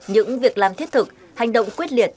những việc làm thiết thực hành động quyết liệt